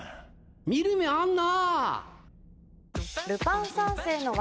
見る目あんな！